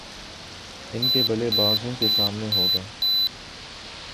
ان کے بلے بازوں کے سامنے ہو گا